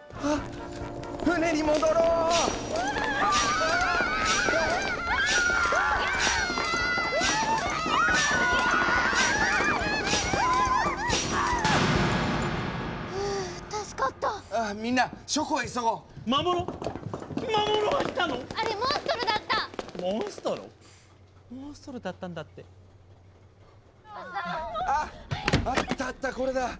あったあったこれだ。